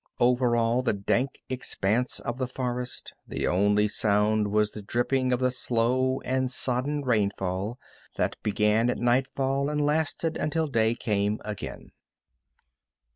Over all the dank expanse of the forest, the only sound was the dripping of the slow and sodden rainfall that began at nightfall and lasted until day came again.